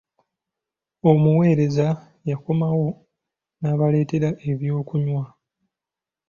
Omuweereza yakomawo n'abaletera eby'okunywa.